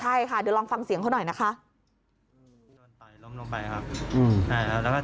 ใช่ค่ะเดี๋ยวลองฟังเสียงเขาหน่อยนะคะ